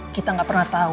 kita gak pernah tau